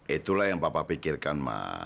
itulah yang papa pikirkan ma